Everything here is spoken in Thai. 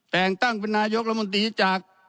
แต่งตั้งเป็นนายกรัฐมนตรีจาก